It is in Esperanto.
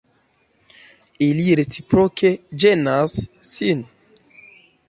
Ili reciproke ĝenas sin.